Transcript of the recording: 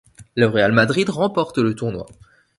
Le Real Madrid remporte le tournoi.